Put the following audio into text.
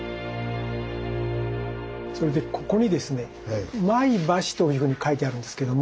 それでここにですね「ＭＡＩＢＡＳＨＩ」というふうに書いてあるんですけども。